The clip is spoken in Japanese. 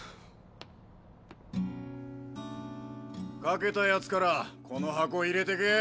書けたヤツからこの箱入れてけ。